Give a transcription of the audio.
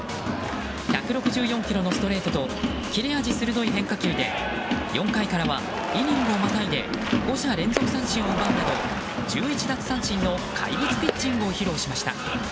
１６４キロのストレートと切れ味鋭い変化球で４回からはイニングをまたいで５者連続三振を奪うなど１１奪三振の怪物ピッチングを披露しました。